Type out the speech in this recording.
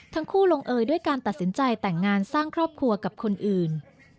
ทั้งคู่ลงเอยด้วยการตัดสินใจแต่งงานสร้างครอบครัวกับคนอื่น